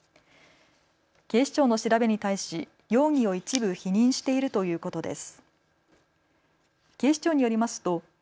警視庁の調べに対し容疑を一部否認しているということです。